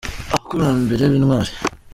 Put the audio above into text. Abakurambere b’intwari